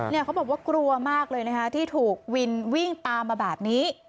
เขาบอกว่ากลัวมากเลยนะคะที่ถูกวินวิ่งตามมาแบบนี้